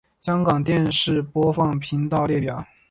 香港电视播放频道列表